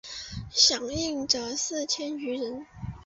响应者四千余人。